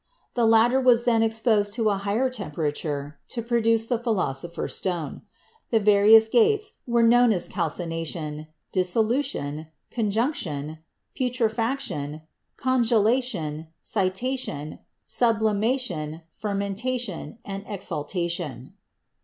The latter was then exposed to a higher temperature to produce the Philosopher's Stone. The various "Gates" were known as calcination, dissolu tion, conjunction, putrefaction, congelation, citation, sub limation, fermentation and exaltation.